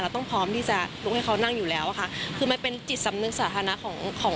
ต้องพร้อมที่จะลุกให้เขานั่งอยู่แล้วอะค่ะคือมันเป็นจิตสำนึกสาธารณะของของ